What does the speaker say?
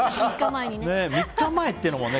３日前っていうのもね。